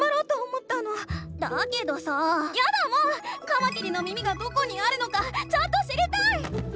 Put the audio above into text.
カマキリの耳がどこにあるのかちゃんと知りたい！